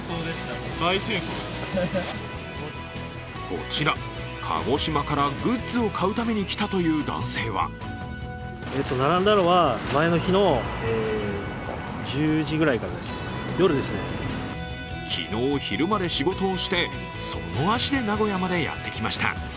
こちら、鹿児島からグッズを買うために来たという男性は昨日昼まで仕事をして、その足で名古屋までやってきました。